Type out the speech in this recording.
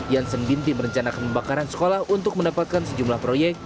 jansen binti merencanakan pembakaran sekolah untuk mendapatkan sejumlah proyek